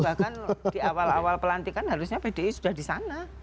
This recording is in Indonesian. bahkan di awal awal pelantikan harusnya pdi sudah di sana